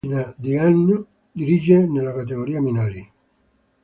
Per una decina di anni dirige nelle categorie minori.